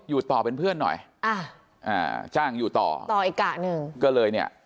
อยู่ต่อเป็นเพื่อนหน่อยอ่าอ่าจ้างอยู่ต่อต่ออีกกะหนึ่งก็เลยเนี่ย